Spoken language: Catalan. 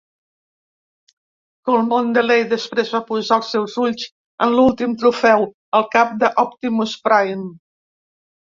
Cholmondeley després va posar els seus ulls en l'últim trofeu, el cap de Optimus Prime.